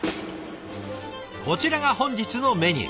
こちらが本日のメニュー。